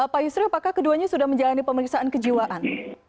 pak yusri apakah keduanya sudah menjalani pemeriksaan kejiwaan